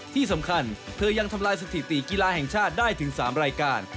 ที่สำคัญเธอยังทำลายสถิติกีฬาแห่งชาติได้ถึง๓รายการ